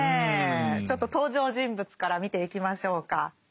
ちょっと登場人物から見ていきましょうか。